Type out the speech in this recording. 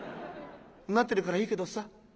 なってるからいいけどさ。